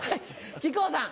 木久扇さん。